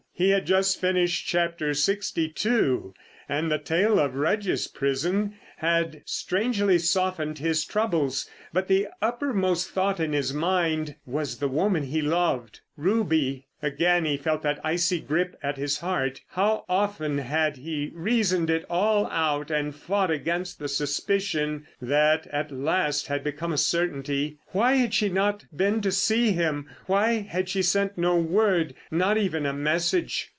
He had just finished chapter sixty two, and the tale of Rudge's prison had strangely softened his troubles. But the uppermost thought in his mind was the woman he loved! Ruby! Again he felt that icy grip at his heart. How often had he reasoned it all out and fought against the suspicion that at last had become a certainty. Why had she not been to see him? Why had she sent no word, not even a message?